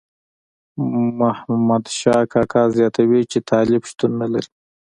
محمد شاه کاکا زیاتوي چې طالب شتون نه لري.